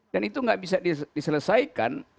dan itu tidak bisa diselesaikan